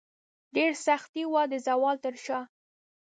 ډیرې سختې وې د زوال تر شاه